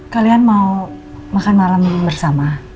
kalian mau makan malam bersama